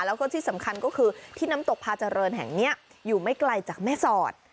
แล้วก็ที่สำคัญก็คือที่น้ำตกพาเจริญแห่งนี้อยู่ไม่ไกลจากแม่สอด